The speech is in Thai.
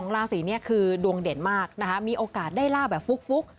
๒ราศีคือดวงเด่นมากมีโอกาสได้ลาบแบบฟุก